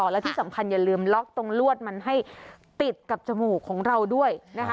และที่สำคัญอย่าลืมล็อกตรงลวดมันให้ติดกับจมูกของเราด้วยนะคะ